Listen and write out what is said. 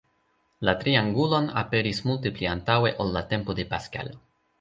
La triangulon aperis multe pli antaŭe ol la tempo de Pascal.